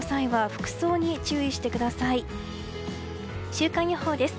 週間予報です。